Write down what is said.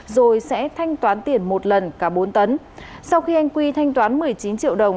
rồi sẽ thanh toán tiền một lần cả bốn tấn sau khi anh quy thanh toán một mươi chín triệu đồng